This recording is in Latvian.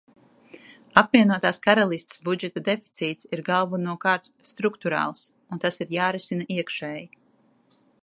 Apvienotās Karalistes budžeta deficīts ir galvenokārt strukturāls, un tas ir jārisina iekšēji.